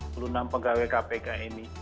pelunang pegawai kpk ini